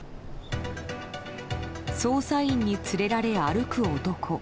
捜査員に連れられ歩く男。